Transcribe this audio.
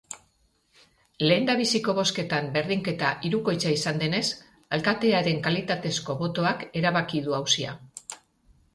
Lehendabiziko bozketan berdinketa hirukoitza izan denez, alkatearen kalitatezko botoak erabaki du auzia.